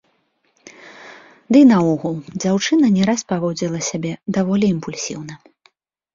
Дый наогул, дзяўчына не раз паводзіла сябе даволі імпульсіўна.